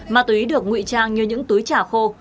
ma túy được ngụy trang như những túi trà khô